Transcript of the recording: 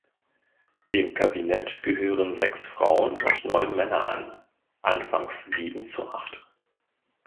Dem Kabinett gehören sechs Frauen und neun Männer an (anfangs sieben zu acht).